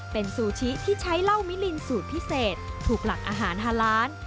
เป็นซูชิที่ใช้เหล้ามิลินสูตรพิเศษถูกหลักอาหารฮาล้าน